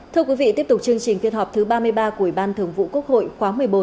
thưa quý vị tiếp tục chương trình phiên họp thứ ba mươi ba của ủy ban thường vụ quốc hội khóa một mươi bốn